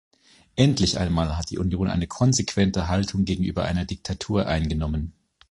Endlich einmal hat die Union eine konsequente Haltung gegenüber einer Diktatur eingenommen.